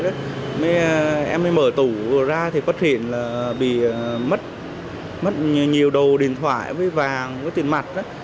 em mới mở tủ ra thì phát hiện bị mất nhiều đồ điện thoại với vàng tiền mặt